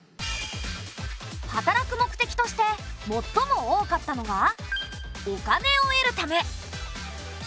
働く目的としてもっとも多かったのがお金を得るため。